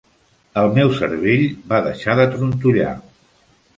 El meu cervell va deixar de trontollar.